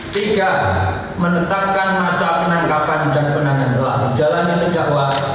tiga menetapkan masa penangkapan dan penanganan telah berjalan yang terdakwah